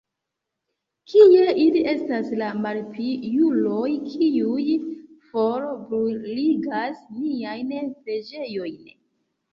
Kie ili estas, la malpiuloj, kiuj forbruligas niajn preĝejojn?